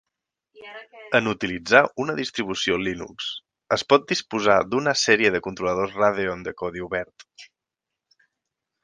En utilitzar una distribució Linux, es pot disposar d'una sèrie de controladors Radeon de codi obert.